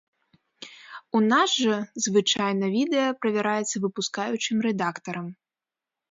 У нас жа звычайна відэа правяраецца выпускаючым рэдактарам.